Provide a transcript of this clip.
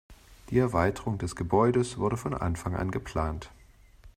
Die Erweiterung des Gebäudes wurde von Anfang an geplant.